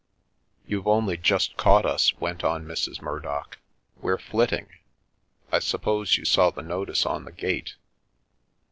" You've only just caught us," went on Mrs. Murdock, we're flitting. I suppose you saw the notice on the gate.